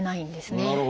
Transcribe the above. なるほど。